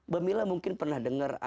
bambila mungkin pernah dengar